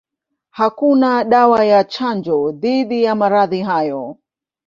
Hakuna dawa ya chanjo dhidi ya maradhi hayo.